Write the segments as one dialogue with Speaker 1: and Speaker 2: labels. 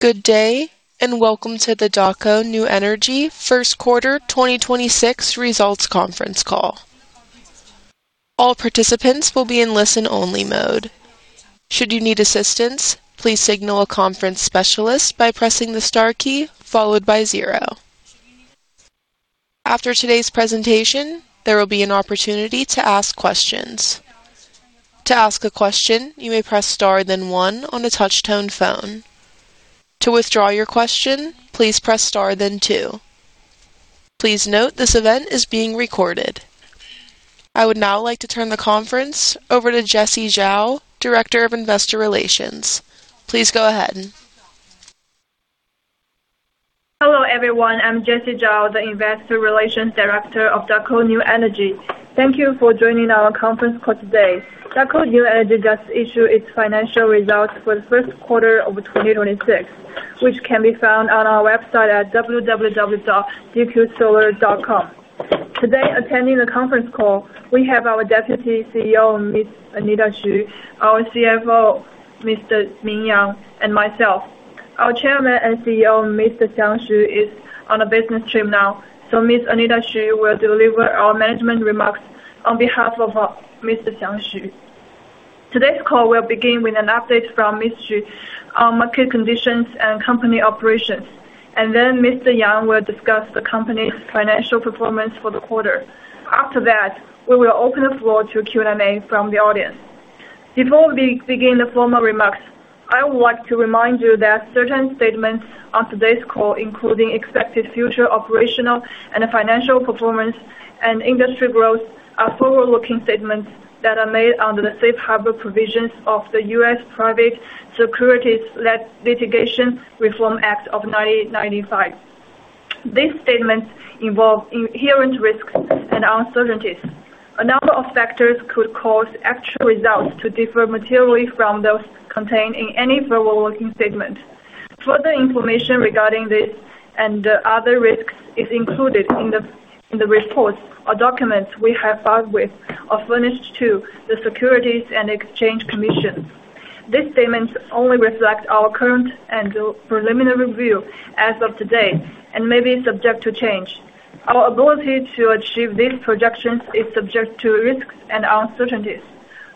Speaker 1: Good day, and welcome to the Daqo New Energy First quarter 2026 Results Conference Call. All participants will be in listen-only mode. Should you need assistance, please signal a conference specialist by pressing the star key followed by zero. After today's presentation, there will be an opportunity to ask questions. To ask a question, you may press star then one on a touch-tone phone. To withdraw your question, please press star then two. Please note this event is being recorded. I would now like to turn the conference over to Jessie Zhao, Director of Investor Relations. Please go ahead.
Speaker 2: Hello, everyone. I'm Jessie Zhao, the Investor Relations Director of Daqo New Energy. Thank you for joining our conference call today. Daqo New Energy just issued its financial results for the first quarter of 2026, which can be found on our website at www.dqsolar.com. Today, attending the conference call, we have our Deputy CEO, Ms. Anita Zhu, our CFO, Mr. Ming Yang, and myself. Our Chairman and CEO, Mr. Xiang Xu, is on a business trip now. Ms. Anita Zhu will deliver our management remarks on behalf of Mr. Xiang Xu. Today's call will begin with an update from Ms. Zhu on market conditions and company operations. Mr. Yang will discuss the company's financial performance for the quarter. After that, we will open the floor to Q&A from the audience. Before we begin the formal remarks, I want to remind you that certain statements on today's call, including expected future operational and financial performance and industry growth, are forward-looking statements that are made under the Safe Harbor provisions of the U.S. Private Securities Litigation Reform Act of 1995. These statements involve inherent risks and uncertainties. A number of factors could cause actual results to differ materially from those contained in any forward-looking statement. Further information regarding this and other risks is included in the reports or documents we have filed with or furnished to the Securities and Exchange Commission. These statements only reflect our current and preliminary view as of today and may be subject to change. Our ability to achieve these projections is subject to risks and uncertainties.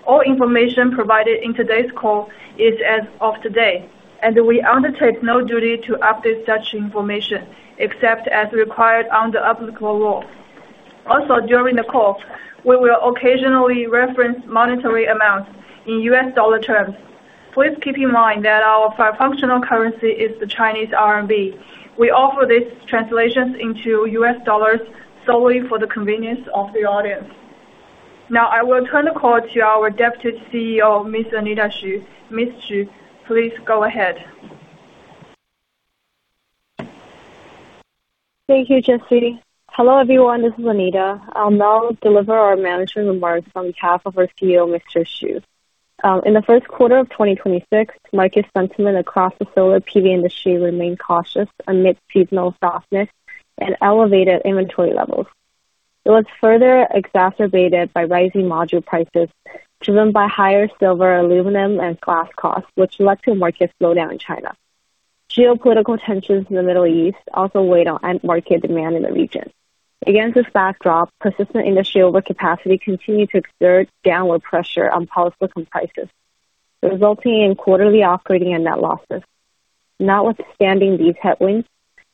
Speaker 2: All information provided in today's call is as of today, and we undertake no duty to update such information except as required under applicable law. Also, during the call, we will occasionally reference monetary amounts in U.S. dollar terms. Please keep in mind that our functional currency is the Chinese Renminbi. We offer these translations into U.S. dollars solely for the convenience of the audience. Now I will turn the call to our Deputy CEO, Ms. Anita Zhu. Ms. Zhu, please go ahead.
Speaker 3: Thank you, Jessie. Hello, everyone. This is Anita. I'll now deliver our management remarks on behalf of our CEO, Mr. Xu. In the first quarter of 2026, market sentiment across the solar PV industry remained cautious amid seasonal softness and elevated inventory levels. It was further exacerbated by rising module prices driven by higher silver, aluminum, and glass costs, which led to a market slowdown in China. Geopolitical tensions in the Middle East also weighed on end market demand in the region. Against this backdrop, persistent industry overcapacity continued to exert downward pressure on polysilicon prices, resulting in quarterly operating and net losses. Notwithstanding these headwinds,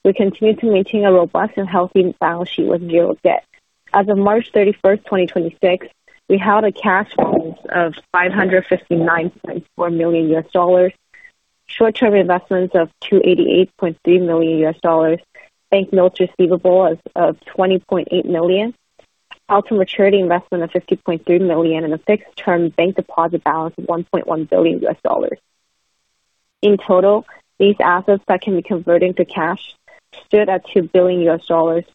Speaker 3: we continue to maintain a robust and healthy balance sheet with zero debt. As of March 31st, 2026, we held a cash balance of $559.4 million, short-term investments of $288.3 million, bank notes receivable as of $20.8 million, out to maturity investment of $50.3 million, and a fixed-term bank deposit balance of $1.1 billion. In total, these assets that can be converted to cash stood at $2 billion,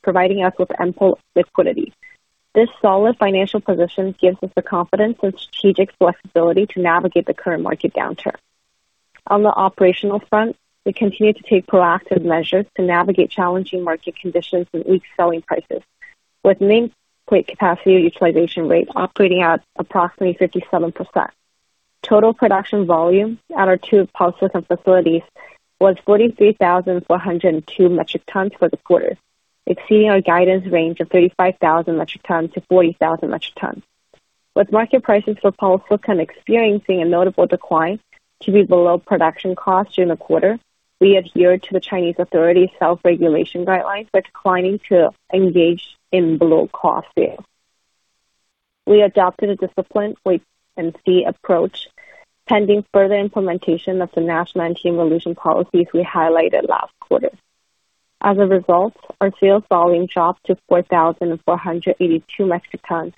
Speaker 3: providing us with ample liquidity. This solid financial position gives us the confidence and strategic flexibility to navigate the current market downturn. On the operational front, we continue to take proactive measures to navigate challenging market conditions and weak selling prices, with main capacity utilization rate operating at approximately 57%. Total production volume at our two polysilicon facilities was 43,402 metric tons for the quarter, exceeding our guidance range of 35,000 metric tons-40,000 metric tons. With market prices for polysilicon experiencing a notable decline to be below production cost during the quarter, we adhered to the Chinese authority self-regulation guidelines by declining to engage in below-cost sales. We adopted a disciplined wait-and-see approach pending further implementation of the national anti-monopoly policies we highlighted last quarter. As a result, our sales volume dropped to 4,482 metric tons,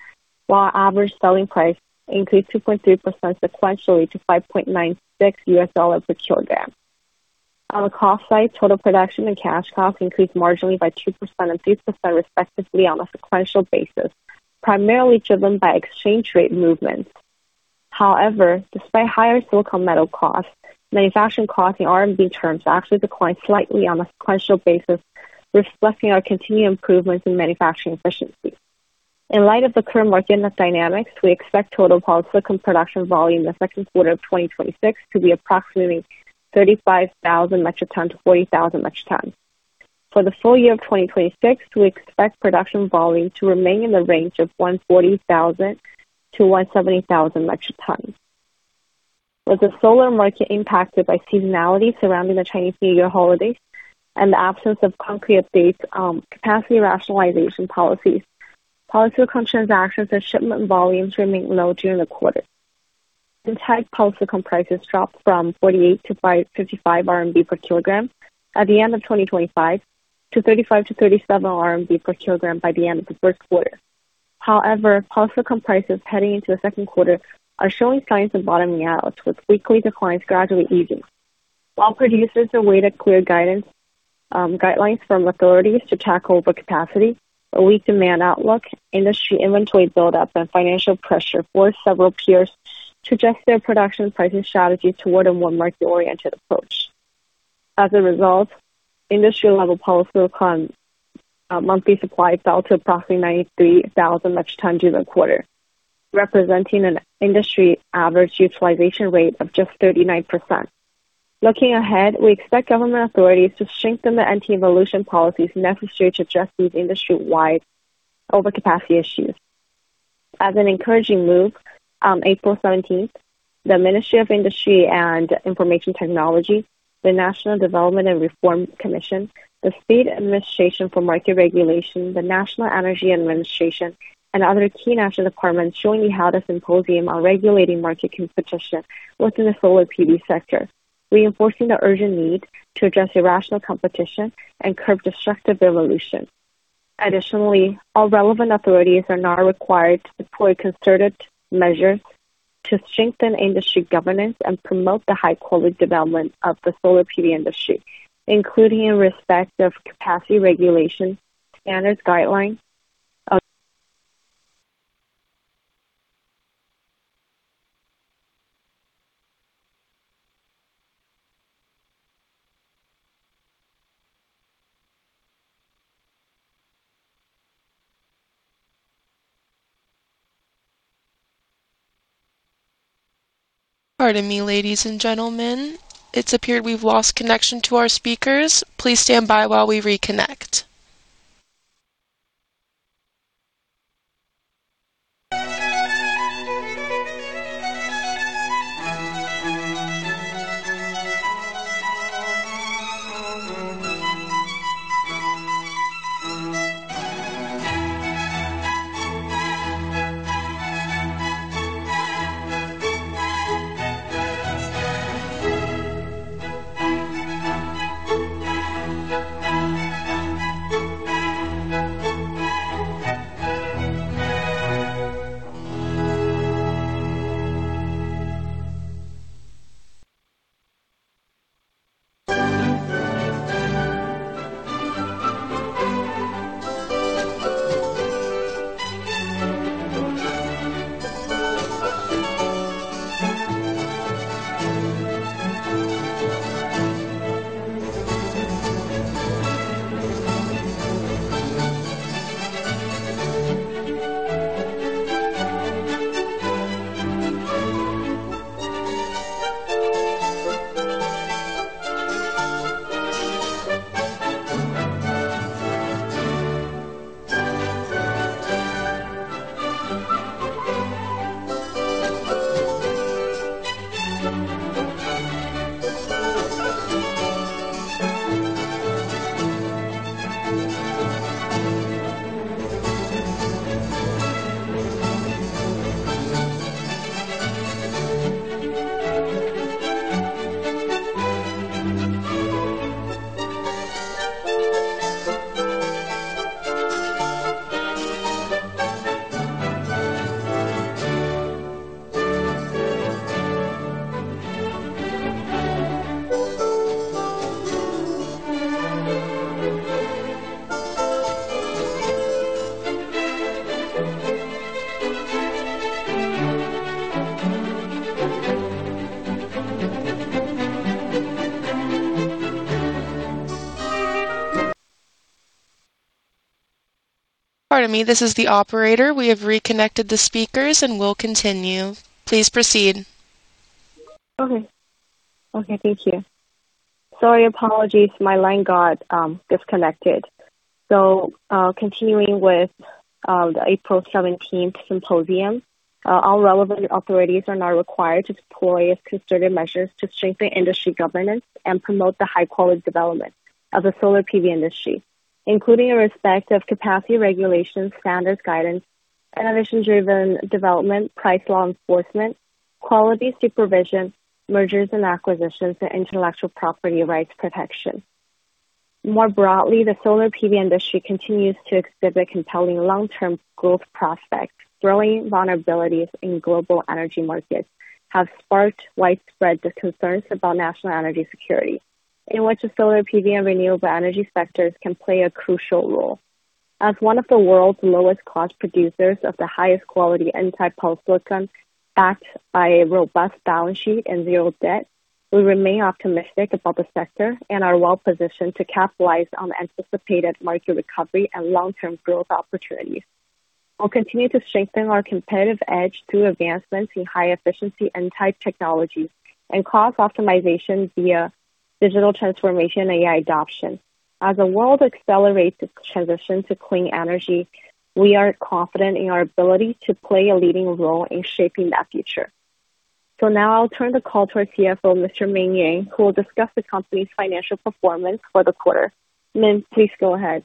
Speaker 3: while our average selling price increased 2.3% sequentially to $5.96 per kilogram. On the cost side, total production and cash costs increased marginally by 2% and 3% respectively on a sequential basis, primarily driven by exchange rate movements. However, despite higher silicon metal costs, manufacturing costs in Renminbi terms actually declined slightly on a sequential basis, reflecting our continued improvements in manufacturing efficiency. In light of the current market dynamics, we expect total polysilicon production volume in the second quarter of 2026 to be approximately 35,000 metric tons-40,000 metric tons. For the full year of 2026, we expect production volume to remain in the range of 140,000 metric tons-170,000 metric tons. With the solar market impacted by seasonality surrounding the Chinese New Year holiday and the absence of concrete updates, capacity rationalization policies, polysilicon transactions and shipment volumes remain low during the quarter. N-type polysilicon prices dropped from 48- 55 RMB per kilogram at the end of 2025 to 35-37 RMB per kilogram by the end of the first quarter. However, polysilicon prices heading into the second quarter are showing signs of bottoming out, with weekly declines gradually easing. While producers awaited clear guidance, guidelines from authorities to tackle overcapacity, a weak demand outlook, industry inventory build-up and financial pressure forced several peers to adjust their production pricing strategy toward a more market-oriented approach. As a result, industry-level polysilicon, monthly supply fell to approximately 93,000 metric ton during the quarter, representing an industry average utilization rate of just 39%. Looking ahead, we expect government authorities to strengthen the anti-involution policies necessary to address these industry-wide overcapacity issues. As an encouraging move, on April 17th, the Ministry of Industry and Information Technology, the National Development and Reform Commission, the State Administration for Market Regulation, the National Energy Administration, and other key national departments jointly held a symposium on regulating market competition within the solar PV sector, reinforcing the urgent need to address irrational competition and curb destructive involution. Additionally, all relevant authorities are now required to deploy concerted measures to strengthen industry governance and promote the high-quality development of the solar PV industry, including in respect of capacity regulation, standards guidelines.
Speaker 1: Pardon me, ladies and gentlemen. It's appeared we've lost connection to our speakers. Please stand by while we reconnect. Pardon me, this is the Operator. We have reconnected the speakers and will continue. Please proceed.
Speaker 3: Okay. Okay, thank you. Sorry, apologies. My line got disconnected. Continuing with the April 17th symposium. All relevant authorities are now required to deploy concerted measures to strengthen industry governance and promote the high-quality development of the solar PV industry, including in respect of capacity regulation, standards guidance, innovation-driven development, price law enforcement, quality supervision, mergers and acquisitions, and intellectual property rights protection. More broadly, the solar PV industry continues to exhibit compelling long-term growth prospects. Growing vulnerabilities in global energy markets have sparked widespread concerns about national energy security, in which the solar PV and renewable energy sectors can play a crucial role. As one of the world's lowest cost producers of the highest quality N-type polysilicon, backed by a robust balance sheet and zero debt. We remain optimistic about the sector and are well positioned to capitalize on the anticipated market recovery and long-term growth opportunities. We'll continue to strengthen our competitive edge through advancements in high efficiency N-type technologies and cost optimization via digital transformation AI adoption. As the world accelerates its transition to clean energy, we are confident in our ability to play a leading role in shaping that future. Now I'll turn the call to our CFO, Mr. Ming Yang, who will discuss the company's financial performance for the quarter. Ming, please go ahead.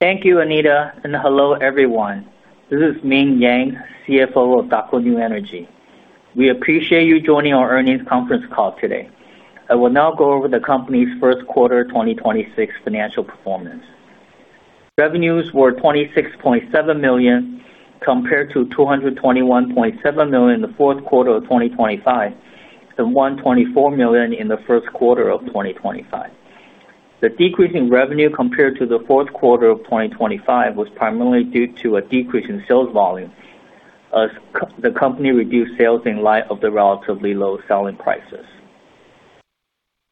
Speaker 4: Thank you, Anita, and hello, everyone. This is Ming Yang, CFO of Daqo New Energy. We appreciate you joining our earnings conference call today. I will now go over the company's first quarter 2026 financial performance. Revenues were 26.7 million compared to 221.7 million in the fourth quarter of 2025 and 124 million in the first quarter of 2025. The decrease in revenue compared to the fourth quarter of 2025 was primarily due to a decrease in sales volume as the company reduced sales in light of the relatively low selling prices.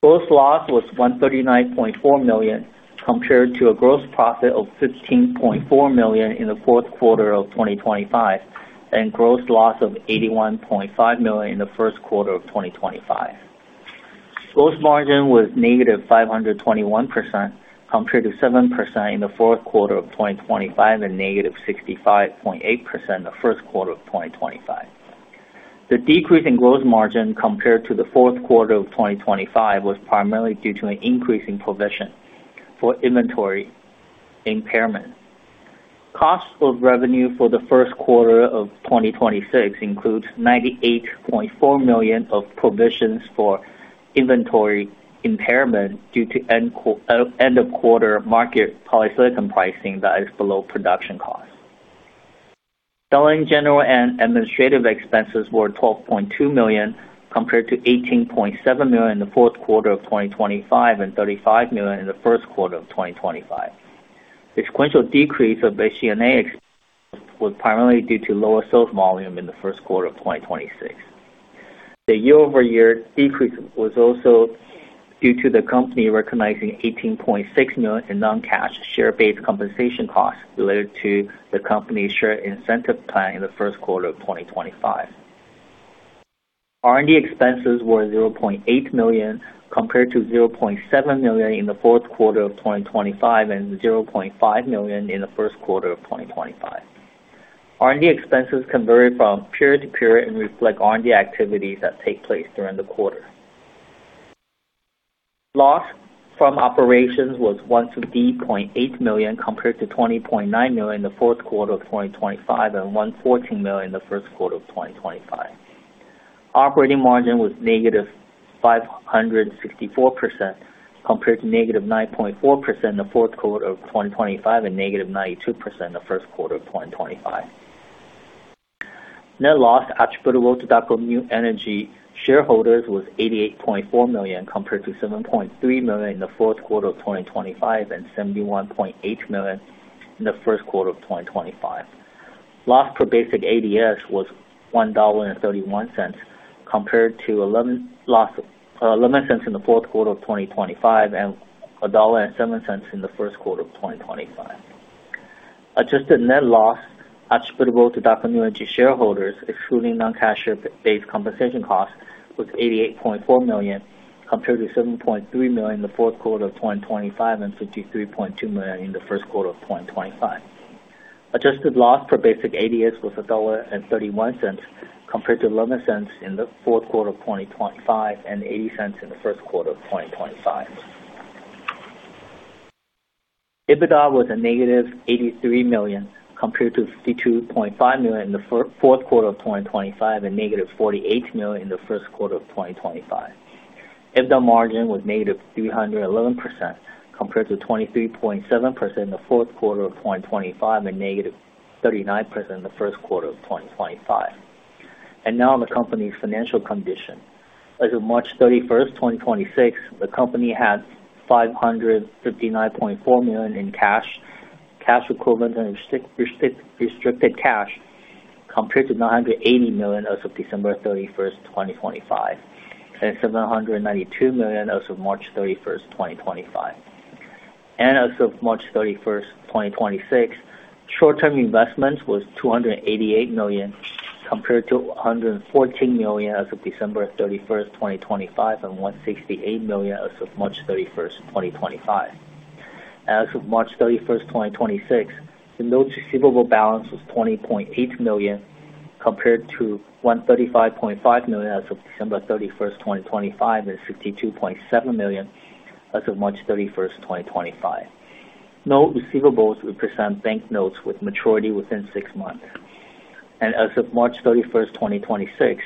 Speaker 4: Gross loss was 139.4 million, compared to a gross profit of 15.4 million in the fourth quarter of 2025 and gross loss of 81.5 million in the first quarter of 2025. Gross margin was -521% compared to 7% in the fourth quarter of 2025 and -65.8% in the first quarter of 2025. The decrease in gross margin compared to the fourth quarter of 2025 was primarily due to an increase in provision for inventory impairment. Cost of revenue for the first quarter of 2026 includes 98.4 million of provisions for inventory impairment due to end-of-quarter market polysilicon pricing that is below production cost. Selling, general, and administrative expenses were 12.2 million compared to 18.7 million in the fourth quarter of 2025 and 35 million in the first quarter of 2025. The sequential decrease of SG&A was primarily due to lower sales volume in the first quarter of 2026. The year-over-year decrease was also due to the company recognizing 18.6 million in non-cash share-based compensation costs related to the company's share incentive plan in the first quarter of 2025. R&D expenses were 0.8 million compared to 0.7 million in the fourth quarter of 2025 and 0.5 million in the first quarter of 2025. R&D expenses can vary from period to period and reflect R&D activities that take place during the quarter. Loss from operations was 150.8 million compared to 20.9 million in the fourth quarter of 2025 and 114 million in the first quarter of 2025. Operating margin was -564% compared to -9.4% in the fourth quarter of 2025 and -92% in the first quarter of 2025. Net loss attributable to Daqo New Energy shareholders was 88.4 million compared to 7.3 million in the fourth quarter of 2025 and 71.8 million in the first quarter of 2025. Loss per basic ADS was RMB 1.31 compared to 0.11 in the fourth quarter of 2025 and 1.07 in the first quarter of 2025. Adjusted net loss attributable to Daqo New Energy shareholders, excluding non-cash share-based compensation costs, was 88.4 million compared to 7.3 million in the fourth quarter of 2025 and 53.2 million in the first quarter of 2025. Adjusted loss per basic ADS was RMB 1.31 compared to 0.11 in the fourth quarter of 2025 and 0.80 in the first quarter of 2025. EBITDA was a -83 million compared to 52.5 million in the fourth quarter of 2025 and -48 million in the first quarter of 2025. EBITDA margin was -311% compared to 23.7% in the fourth quarter of 2025 and -39% in the first quarter of 2025. Now on the company's financial condition. As of March 31st, 2026, the company had 559.4 million in cash equivalent, and restricted cash compared to 980 million as of December 31st, 2025, and 792 million as of March 31st, 2025. As of March 31st, 2026, short-term investments was 288 million compared to 114 million as of December 31st, 2025, and 168 million as of March 31st, 2025. As of March 31st, 2026, the notes receivable balance was 20.8 million compared to 135.5 million as of December 31st, 2025, and 52.7 million as of March 31st, 2025. Note receivables represent bank notes with maturity within six months. As of March 31st, 2026,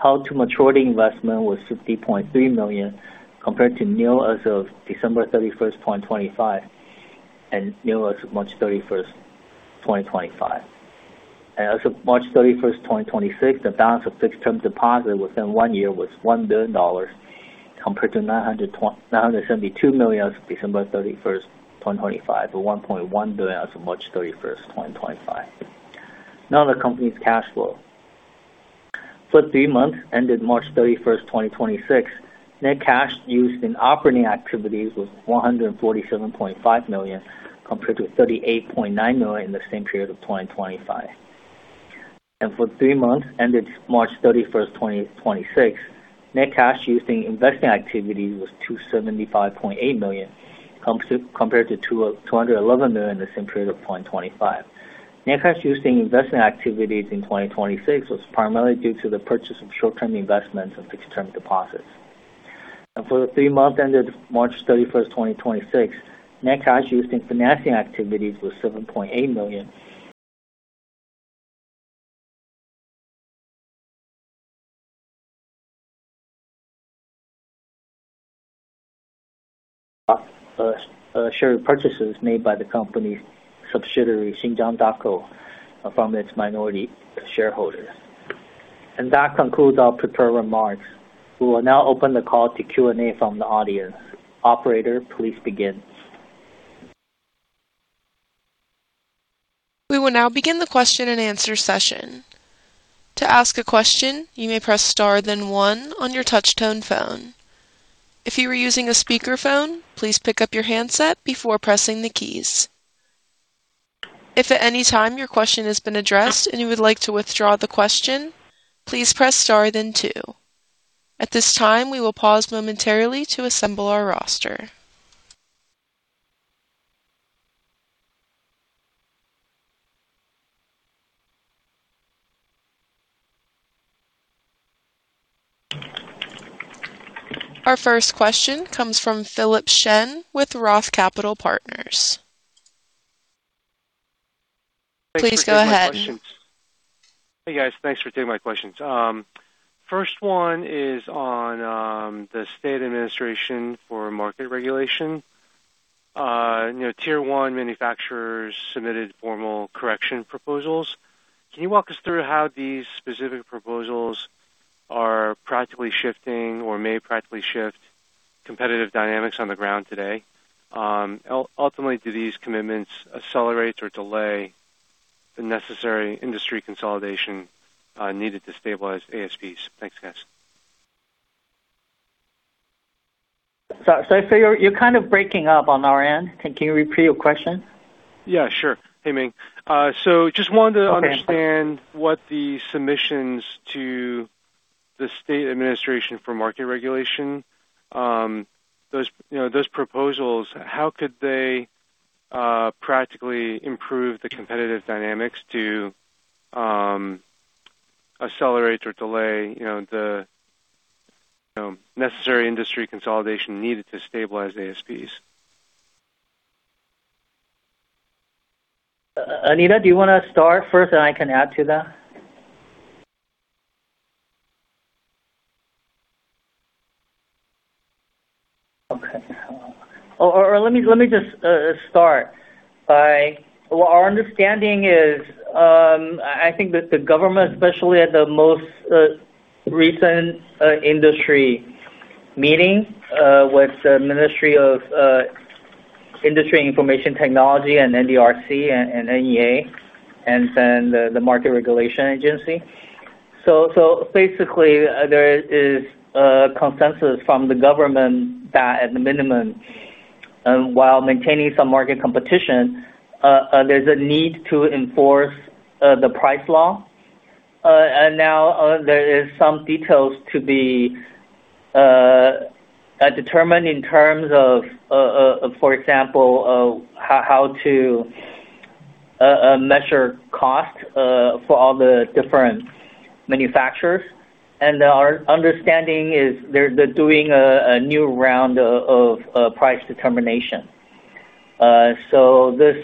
Speaker 4: held-to-maturity investment was 50.3 million compared to nil as of December 31st, 2025, and nil as of March 31st, 2025. As of March 31st, 2026, the balance of fixed term deposit within one year was RMB 1 billion. Compared to 972 million as of December 31st, 2025 to 1.1 billion as of March 31st, 2025. Now the company's cash flow. For three months ended March 31st, 2026, net cash used in operating activities was 147.5 million compared to 38.9 million in the same period of 2025. For three months ended March 31st, 2026, net cash used in investing activities was 275.8 million compared to 211 million in the same period of 2025. Net cash used in investing activities in 2026 was primarily due to the purchase of short-term investments and fixed term deposits. For the three months ended March 31st, 2026, net cash used in financing activities was 7.8 million. Share purchases made by the company's subsidiary, Xinjiang Daqo, from its minority shareholders. That concludes our prepared remarks. We will now open the call to Q&A from the audience. Operator, please begin.
Speaker 1: We will now begin the question and answer session. To ask a question, you may press star then one on your touchtone phone. If you're using a speaker phone, please pick up your handset before pressing the keys. If at any time your question has been addressed and you would want to withdraw the question, please press star then two. At this time, we will pause momentarily to assemble our roster. Our first question comes from Philip Shen with Roth Capital Partners. Please go ahead.
Speaker 5: Thanks for taking my questions. Hey, guys. Thanks for taking my questions. First one is on the State Administration for Market Regulation. You know, tier one manufacturers submitted formal correction proposals. Can you walk us through how these specific proposals are practically shifting or may practically shift competitive dynamics on the ground today? Ultimately, do these commitments accelerate or delay the necessary industry consolidation needed to stabilize ASPs? Thanks, guys.
Speaker 4: Sorry, you're kind of breaking up on our end. Can you repeat your question?
Speaker 5: Yeah, sure. Hey, Ming.
Speaker 4: Okay.
Speaker 5: Just want to understand what the submissions to the State Administration for Market Regulation, those, you know, those proposals, how could they practically improve the competitive dynamics to accelerate or delay, you know, the, you know, necessary industry consolidation needed to stabilize ASPs?
Speaker 4: Anita, do you wanna start first, and I can add to that? Okay. Let me just start, well, our understanding is, I think that the government, especially at the most recent industry meeting, with the Ministry of Industry and Information Technology and NDRC and NEA, and then the market regulation agency, basically there is consensus from the government that at the minimum, while maintaining some market competition, there's a need to enforce the price law. Now, there is some details to be determined in terms of, for example, of how to measure cost for all the different manufacturers. Our understanding is they're doing a new round of price determination. This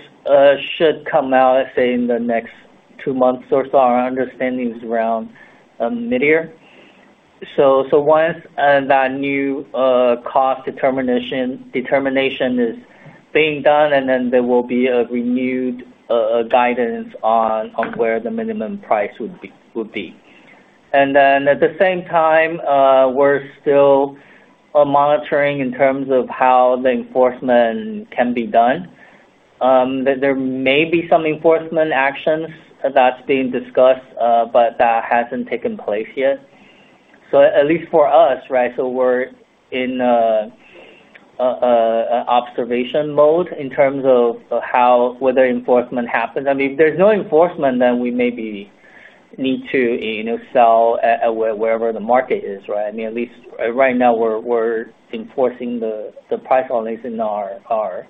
Speaker 4: should come out, let's say, in the next two months or so. Our understanding is around mid-year. Once that new cost determination is being done, and then there will be a renewed guidance on where the minimum price would be. At the same time, we're still monitoring in terms of how the enforcement can be done. There may be some enforcement actions that's being discussed, but that hasn't taken place yet. At least for us, right, we're in observation mode in terms of how whether enforcement happens. I mean, if there's no enforcement, then we maybe need to, you know, sell at wherever the market is, right? I mean, at least right now we're enforcing the price on these in our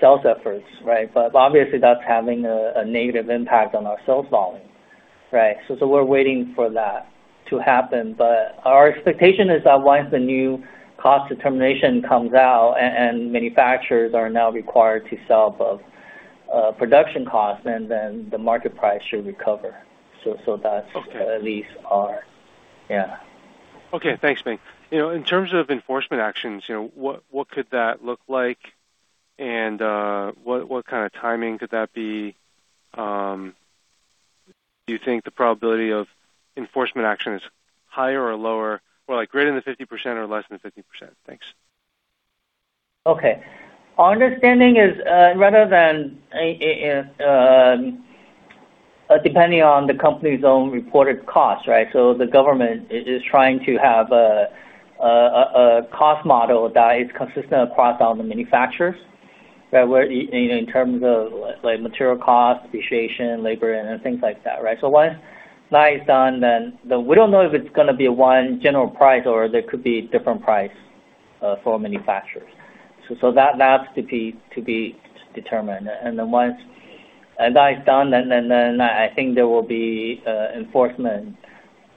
Speaker 4: sales efforts, right? Obviously that's having a negative impact on our sales volume, right? We're waiting for that to happen. Our expectation is that once the new cost determination comes out and manufacturers are now required to sell above production costs, the market price should recover.
Speaker 5: Okay.
Speaker 4: At least our. Yeah.
Speaker 5: Okay, thanks, Ming. You know, in terms of enforcement actions, you know, what could that look like? What kind of timing could that be? Do you think the probability of enforcement action is higher or lower or like greater than 50% or less than 50%? Thanks.
Speaker 4: Okay. Our understanding is, rather than depending on the company's own reported cost, right? The government is trying to have a cost model that is consistent across all the manufacturers that were in terms of like material cost, depreciation, labor, and things like that, right? Once that is done, then we don't know if it's gonna be one general price or there could be different price for manufacturers. That has to be determined. Once that is done, then I think there will be enforcement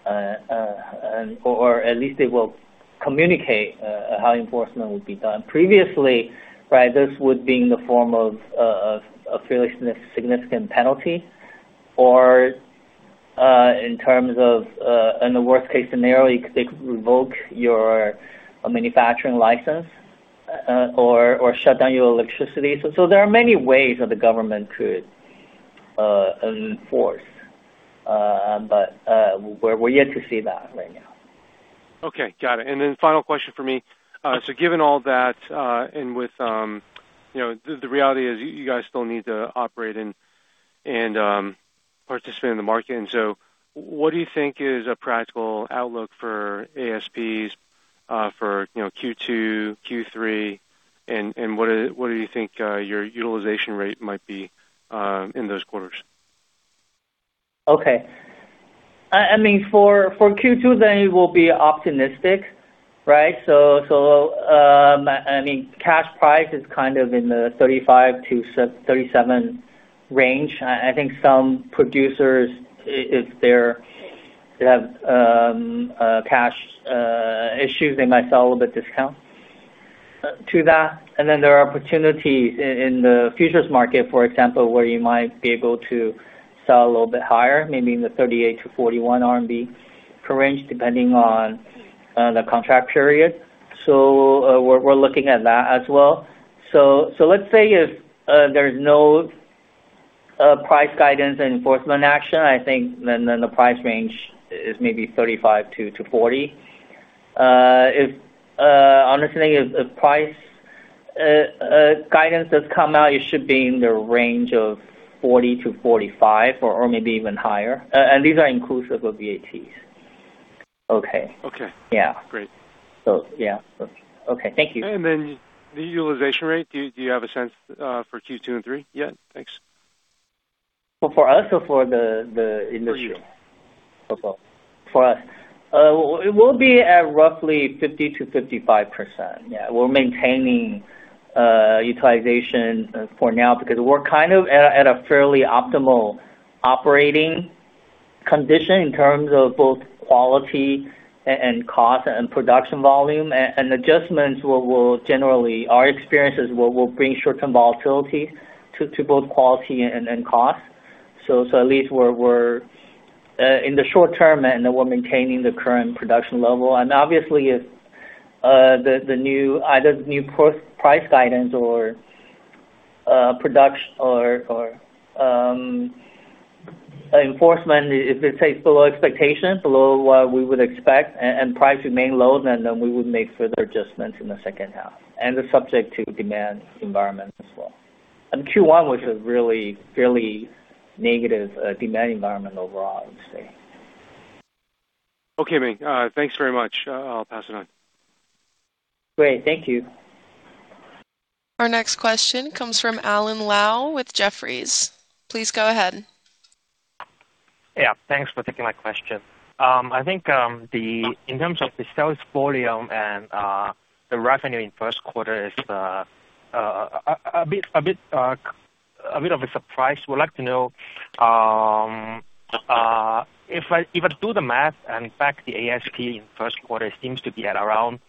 Speaker 4: or at least they will communicate how enforcement will be done. Previously, right, this would be in the form of, a fairly significant penalty or, in terms of, in the worst case scenario, they could revoke your manufacturing license, or shut down your electricity. There are many ways that the government could enforce, but we're yet to see that right now.
Speaker 5: Okay, got it. Final question for me. Given all that, and with, you know, the reality is you guys still need to operate and participate in the market. What do you think is a practical outlook for ASPs for, you know, Q2, Q3? What do you think your utilization rate might be in those quarters?
Speaker 4: I mean, for Q2, it will be optimistic, right? I mean, cash price is kind of in the 35-37 range. I think some producers, if they're, they have cash issues, they might sell a little bit discount to that. There are opportunities in the futures market, for example, where you might be able to sell a little bit higher, maybe in the 38-41 RMB per range, depending on the contract period. We're looking at that as well. Let's say if there's no price guidance enforcement action, I think the price range is maybe 35-40. If, understanding if price guidance does come out, it should be in the range of 40-45 or maybe even higher. These are inclusive of VATs.
Speaker 5: Okay.
Speaker 4: Yeah.
Speaker 5: Great.
Speaker 4: Yeah. Okay. Thank you.
Speaker 5: The utilization rate, do you have a sense for Q2 and Q3 yet? Thanks.
Speaker 4: For us or for the industry?
Speaker 5: For you.
Speaker 4: Okay. For us. It will be at roughly 50%-55%. We're maintaining utilization for now because we're kind of at a fairly optimal operating condition in terms of both quality and cost and production volume. Our experience is we'll bring short-term volatility to both quality and cost. At least we're in the short term, and we're maintaining the current production level. Obviously, if the new price guidance or production or enforcement, if it stays below expectations, below what we would expect and price remain low, then we would make further adjustments in the second half, and they're subject to demand environment as well. Q1, which is really fairly negative demand environment overall, I would say.
Speaker 5: Okay, Ming. Thanks very much. I'll pass it on.
Speaker 4: Great. Thank you.
Speaker 1: Our next question comes from Alan Lau with Jefferies. Please go ahead.
Speaker 6: Yeah. Thanks for taking my question. I think in terms of the sales volume and the revenue in first quarter is a bit of a surprise. Would like to know if I do the math and back the ASP in first quarter seems to be at around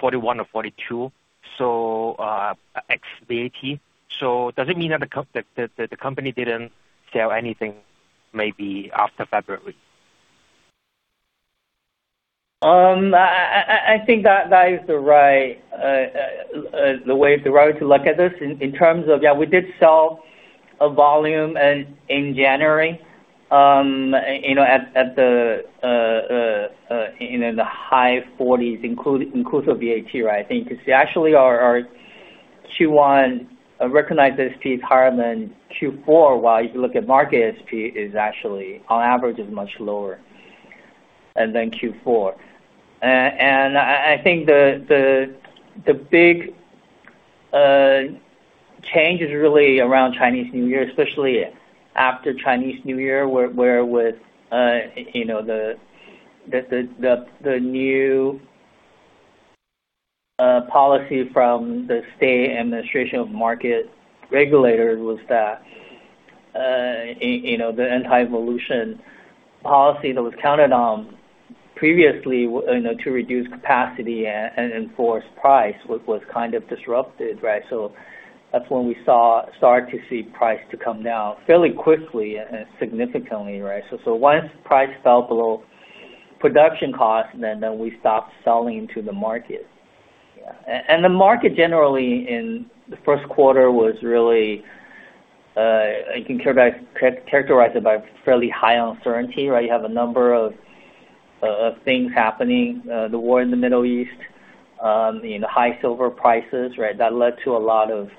Speaker 6: 41 or 42, so ex VAT. Does it mean that the company didn't sell anything maybe after February?
Speaker 4: I think that is the right way to look at this in terms of, yeah, we did sell a volume in January, you know, at the high RMB 40s, inclusive VAT, right? I think 'cause actually our Q1 recognized ASP is higher than Q4, while if you look at market ASP is actually on average is much lower than Q4. I think the big change is really around Chinese New Year, especially after Chinese New Year, where with, you know, the new policy from the State Administration for Market Regulation was that, you know, the anti-involution policy that was counted on previously, you know, to reduce capacity and enforce price was kind of disrupted, right? That's when we started to see price to come down fairly quickly and significantly, right? Once price fell below production cost, then we stopped selling to the market. The market generally in the first quarter was really, you can characterized by fairly high uncertainty, right? You have a number of things happening, the war in the Middle East, you know, high silver prices, right? That led to a lot of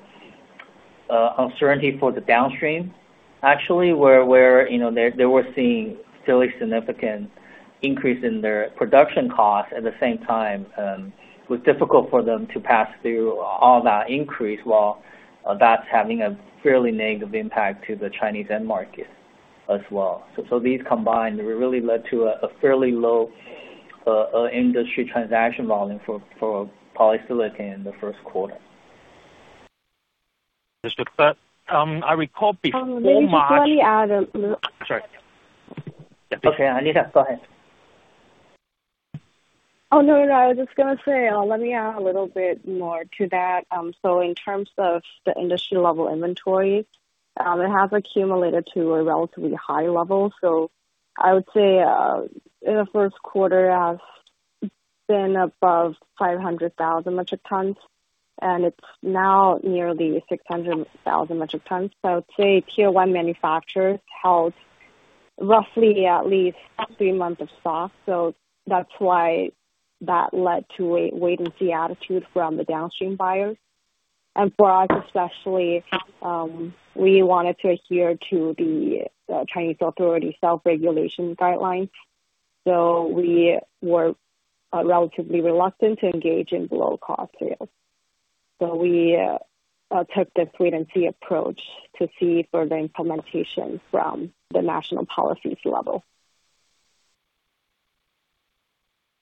Speaker 4: uncertainty for the downstream. Actually, you know, they were seeing fairly significant increase in their production costs. At the same time, it was difficult for them to pass through all that increase while that's having a fairly negative impact to the Chinese end market as well. These combined really led to a fairly low industry transaction volume for polysilicon in the first quarter.
Speaker 6: Understood. I recall before March.
Speaker 3: Let me add a little.
Speaker 6: Sorry.
Speaker 4: Okay, Anita, go ahead.
Speaker 3: Oh, no, I was just gonna say, let me add a little bit more to that. In terms of the industry level inventory, it has accumulated to a relatively high level. I would say, in the first quarter has been above 500,000 metric tons, and it's now nearly 600,000 metric tons. I would say tier one manufacturers held roughly at least three months of stock. That's why that led to a wait-and-see attitude from the downstream buyers. For us, especially, we wanted to adhere to the Chinese authority self-regulation guidelines. We were relatively reluctant to engage in below-cost sales. We took the wait-and-see approach to see further implementation from the national policies level.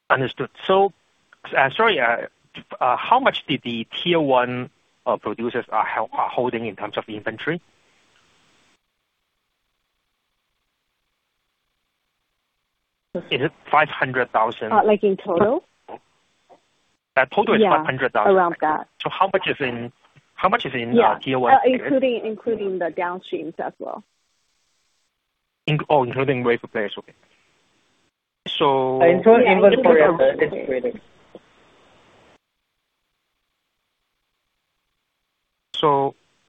Speaker 6: Understood. sorry, how much did the tier one producers are holding in terms of inventory? Is it 500,000?
Speaker 3: Like in total?
Speaker 6: Total is 500,000.
Speaker 3: Yeah. Around that.
Speaker 6: How much is in tier one?
Speaker 3: Yeah, including the downstreams as well.
Speaker 6: Oh, including wafer players. Okay.
Speaker 4: Total inventory of silicon wafers.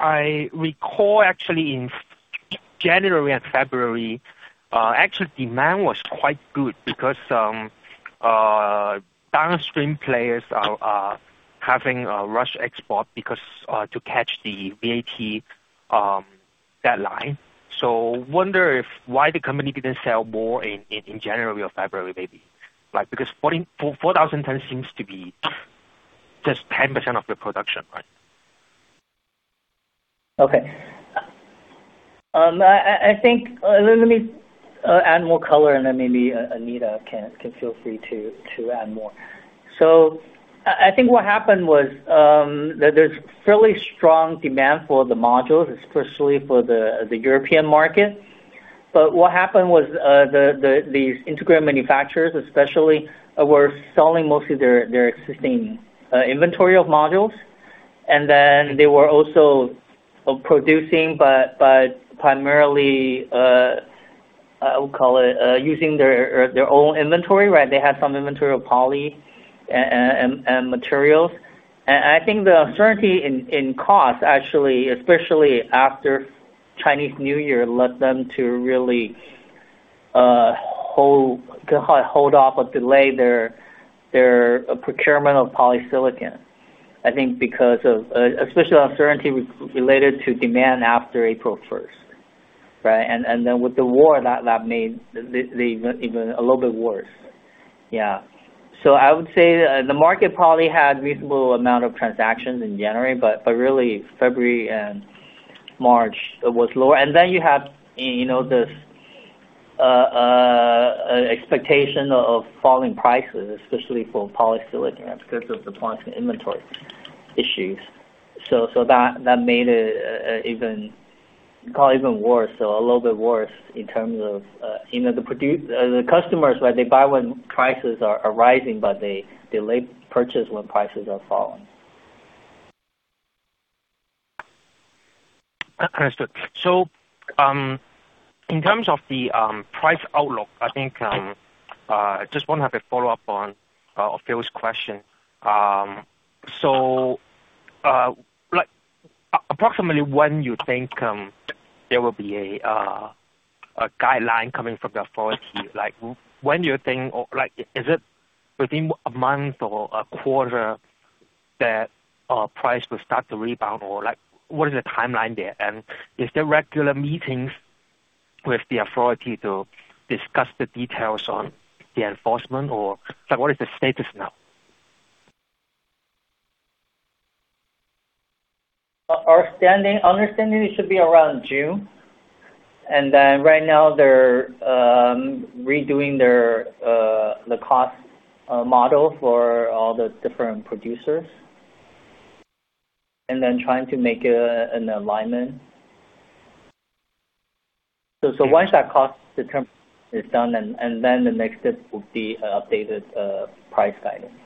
Speaker 6: I recall actually in January and February, actually demand was quite good because downstream players are having a rush export because to catch the VAT deadline. Wonder if why the company didn't sell more in January or February, maybe, right? 4,000 tons seems to be just 10% of the production, right?
Speaker 4: Okay. I think let me add more color and then maybe Anita can feel free to add more. I think what happened was that there's fairly strong demand for the modules, especially for the European market. What happened was these integrated manufacturers especially were selling mostly their existing inventory of modules. They were also producing, but primarily I would call it using their own inventory, right? They had some inventory of poly and materials. I think the uncertainty in cost actually, especially after Chinese New Year led them to really hold off or delay their procurement of polysilicon. I think because of especially uncertainty related to demand after April 1st, right? Then with the war that made the even a little bit worse. I would say the market probably had reasonable amount of transactions in January, but really February and March it was lower. You have, you know, this expectation of falling prices, especially for polysilicon because of the points in inventory issues. That made it even worse or a little bit worse in terms of, you know, the customers, right, they buy when prices are rising, but they delay purchase when prices are falling.
Speaker 6: Understood. In terms of the price outlook, I think I just wanna have a follow-up on Phil's question. Like approximately when you think there will be a guideline coming from the authority? Like when you think or like is it within a month or a quarter that price will start to rebound? What is the timeline there? Is there regular meetings with the authority to discuss the details on the enforcement? What is the status now?
Speaker 4: Our understanding, it should be around June. Right now they're redoing their the cost model for all the different producers, and then trying to make an alignment. Once that cost determine is done, and then the next step will be an updated price guidance.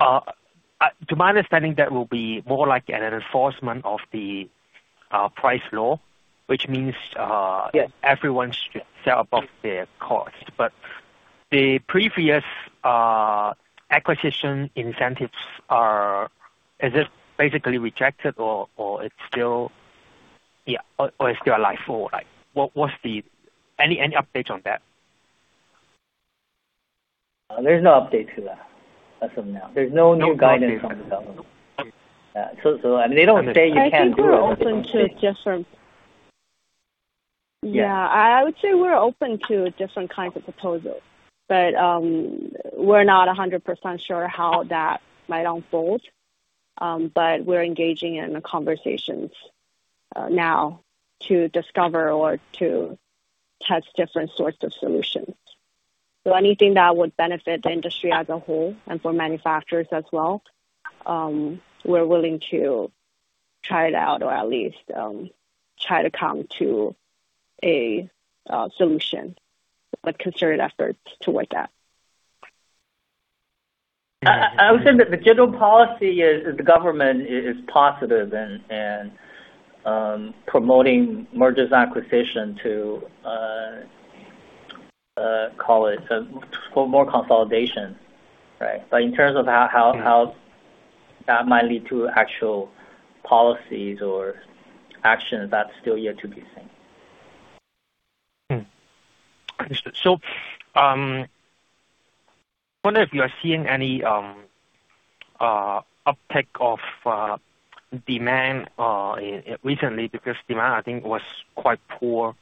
Speaker 6: Understood. Tto my understanding, that will be more like an enforcement of the price law, which means-
Speaker 4: Yes....
Speaker 6: everyone should sell above their cost. The previous acquisition incentives are, is it basically rejected or it's still alive? Like, what's the update on that?
Speaker 4: There's no update to that as of now. There's no new guidance from the government. Yeah. I mean, they don't say you can't do it.
Speaker 3: I think we're open to different, yeah, I would say we're open to different kinds of proposals, but we're not 100% sure how that might unfold. We're engaging in conversations now to discover or to test different sorts of solutions. Anything that would benefit the industry as a whole and for manufacturers as well, we're willing to try it out or at least try to come to a solution, like concerted efforts towards that.
Speaker 4: I would say that the general policy is the government is positive and promoting mergers and acquisition to call it for more consolidation, right? In terms of how that might lead to actual policies or actions, that's still yet to be seen.
Speaker 6: Understood. I wonder if you are seeing any uptick of demand recently because demand I think was quite poor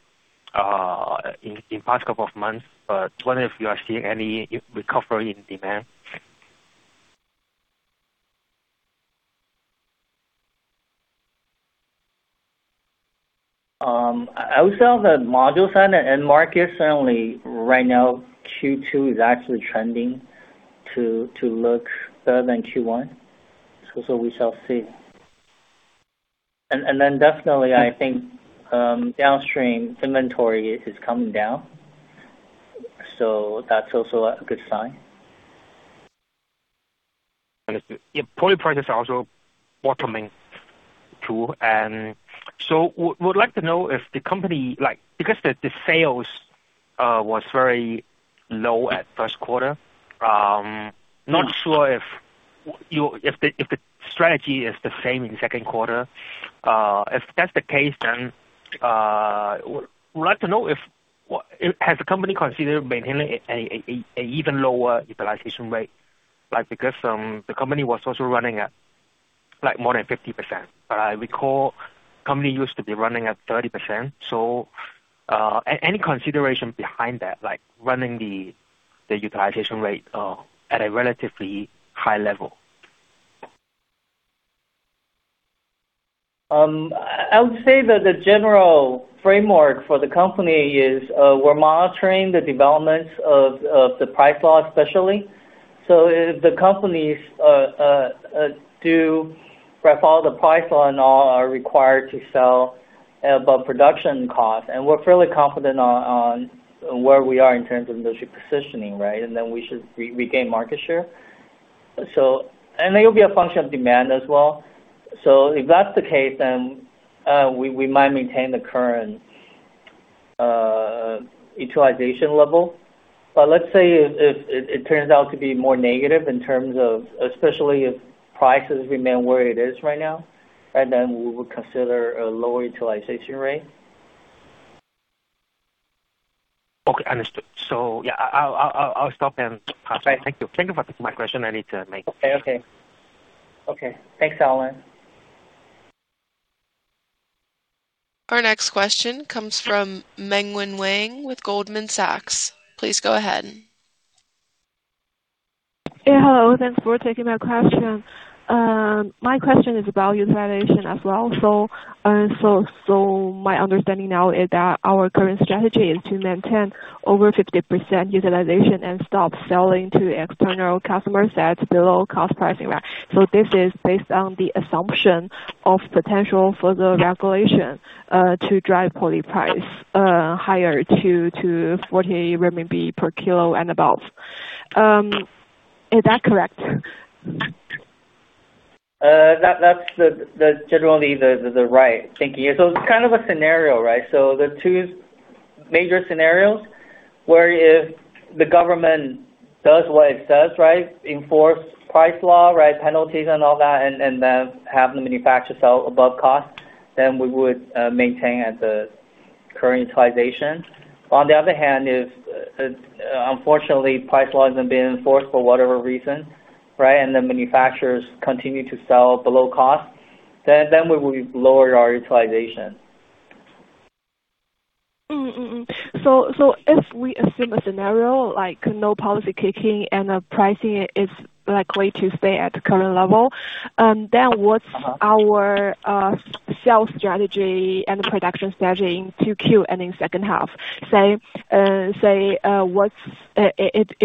Speaker 6: in past couple of months. I was wondering if you are seeing any recovery in demand.
Speaker 4: I would say on the module front, the end markets only right now Q2 is actually trending to look better than Q1. We shall see. Definitely I think, downstream inventory is coming down. That's also a good sign.
Speaker 6: Understood. Yeah, poly price is also bottoming too. Would like to know if the company, like, because the sales was very low at first quarter, not sure if the strategy is the same in second quarter. If that's the case, we'd like to know if the company considered maintaining a even lower utilization rate? Like, because the company was also running at, like, more than 50%. I recall company used to be running at 30%. Any consideration behind that, like running the utilization rate at a relatively high level?
Speaker 4: I would say that the general framework for the company is, we're monitoring the developments of the price law especially. If the companies do follow the price law and all are required to sell above production cost, and we're fairly confident on where we are in terms of industry positioning, right? Then we should regain market share. It'll be a function of demand as well. If that's the case, then we might maintain the current utilization level. Let's say if it turns out to be more negative in terms of, especially if prices remain where it is right now, right, then we would consider a lower utilization rate.
Speaker 6: Okay. Understood. Yeah, I'll stop and pass on.
Speaker 4: Okay.
Speaker 6: Thank you. Thank you for taking my question.
Speaker 4: Okay. Okay. Okay. Thanks, Alan.
Speaker 1: Our next question comes from Mengwen Wang with Goldman Sachs. Please go ahead.
Speaker 7: Yeah. Hello. Thanks for taking my question. My question is about utilization as well. My understanding now is that our current strategy is to maintain over 50% utilization and stop selling to external customers at below cost pricing, right? This is based on the assumption of potential further regulation to drive poly price higher to 40 RMB per kilo and above. Is that correct?
Speaker 4: That's the generally the right thinking. Yeah. It's kind of a scenario, right? There are two major scenarios where if the government does what it says, right? Enforce price law, right? Penalties and all that, and then have the manufacturers sell above cost, then we would maintain at the current utilization. On the other hand, if unfortunately, price law isn't being enforced for whatever reason, right, and the manufacturers continue to sell below cost, then we will lower our utilization.
Speaker 7: If we assume a scenario like no policy kicking and the pricing is likely to stay at current level, then what's our sales strategy and production scheduling 2Q and in second half? Is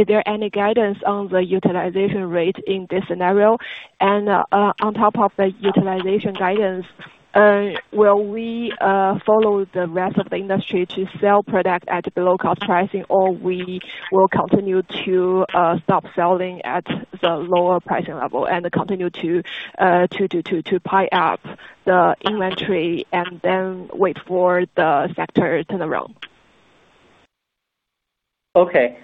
Speaker 7: there any guidance on the utilization rate in this scenario? On top of the utilization guidance, will we follow the rest of the industry to sell product at below cost pricing, or we will continue to stop selling at the lower pricing level and continue to pile up the inventory and then wait for the sector turnaround?
Speaker 4: Okay.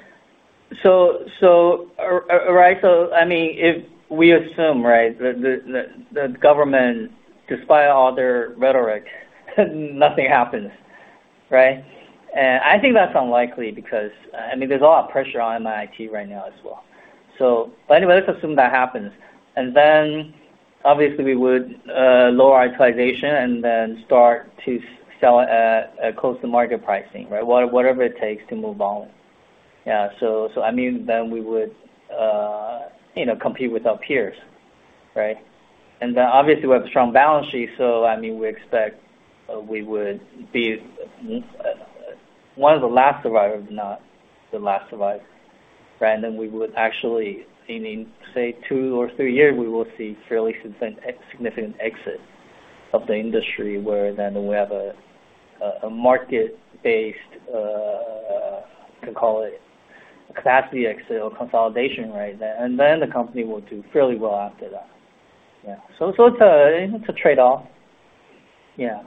Speaker 4: right. I mean, if we assume, right, the government, despite all their rhetoric, nothing happens, right? I think that's unlikely because, I mean, there's a lot of pressure on MIIT right now as well. Anyway, let's assume that happens. Obviously we would lower utilization and then start to sell at close to market pricing, right? Whatever it takes to move volume. I mean, then we would, you know, compete with our peers, right? Obviously we have a strong balance sheet, so I mean, we expect we would be one of the last survivors, if not the last survivor, right? We would actually in, say, two or three years, we will see fairly significant exit of the industry, where then we have a market-based, you can call it capacity exit or consolidation right there, and then the company will do fairly well after that. Yeah. It's a trade-off. Yeah.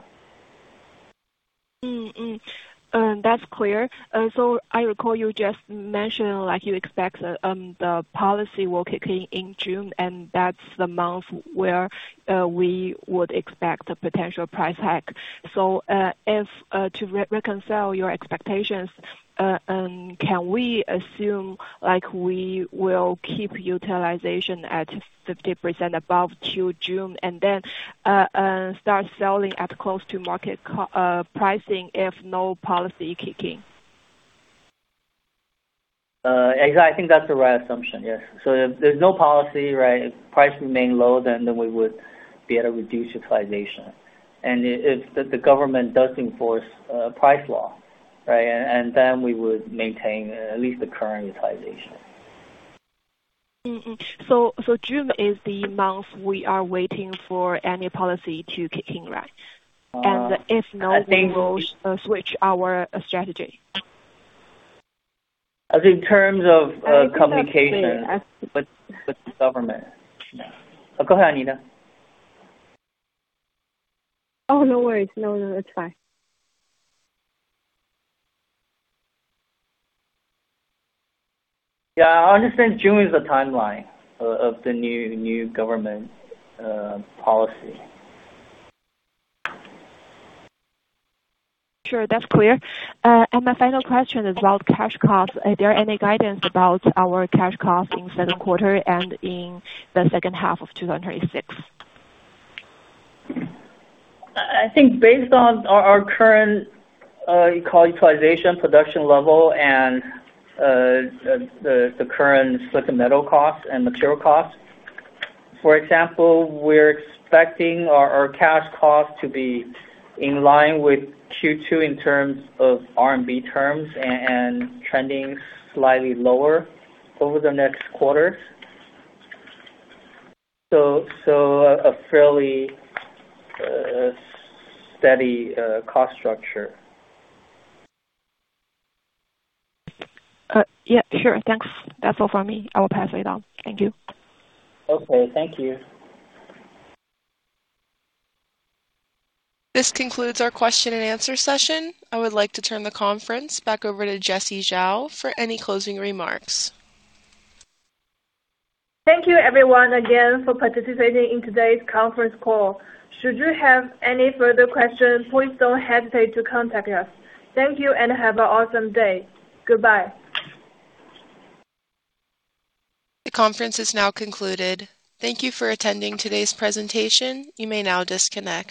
Speaker 7: That's clear. I recall you just mentioned, like you expect the policy will kick in in June, and that's the month where we would expect a potential price hike. If to reconcile your expectations, can we assume, like we will keep utilization at 50% above till June and then start selling at close to market pricing if no policy kick in?
Speaker 4: Exactly. I think that's the right assumption, yes. If there's no policy, right, if price remain low, then we would be able to reduce utilization. If the government does enforce a price law, right, and then we would maintain at least the current utilization.
Speaker 7: June is the month we are waiting for any policy to kick in, right?
Speaker 4: Uh-
Speaker 7: And if not-
Speaker 4: As they will-
Speaker 7: Switch our strategy.
Speaker 4: As in terms of communication.
Speaker 7: I think that's it.
Speaker 4: With the government. Yeah. Go ahead, Anita.
Speaker 3: Oh, no worries. No, no, it's fine.
Speaker 4: Yeah. I understand June is the timeline of the new government policy.
Speaker 7: Sure. That's clear. My final question is about cash costs. Is there any guidance about our cash costs in second quarter and in the second half of 2006?
Speaker 4: I think based on our current, you call utilization, production level and the current silicon metal cost and material cost. For example, we're expecting our cash costs to be in line with Q2 in terms of Renminbi terms and trending slightly lower over the next quarters. A fairly steady cost structure.
Speaker 7: Sure. Thanks. That's all from me. I will pass it on. Thank you.
Speaker 4: Okay. Thank you.
Speaker 1: This concludes our question and answer session. I would like to turn the conference back over to Jessie Zhao for any closing remarks.
Speaker 2: Thank you everyone again for participating in today's conference call. Should you have any further questions, please don't hesitate to contact us. Thank you and have a awesome day. Goodbye.
Speaker 1: The conference is now concluded. Thank you for attending today's presentation. You may now disconnect.